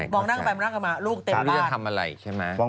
บอกนั่งกันมาลูกเต็มบ้าน